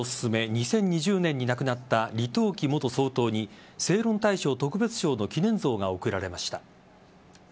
２０２０年に亡くなった李登輝元総統に正論大賞特別賞の記念像が贈られました。